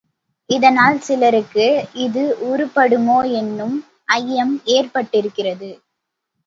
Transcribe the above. இதனால் சிலருக்கு இது உருப்படுமோ என்னும் ஐயம் ஏற்பட்டிருக்கிறது.